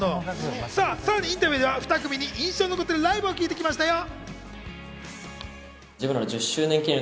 さらにインタビューでは２組に印象に残っているライブを聞いてきましたよ。